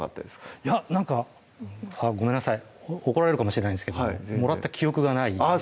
いやなんかあっごめんなさい怒られるかもしれないんですけどもらった記憶がないあっ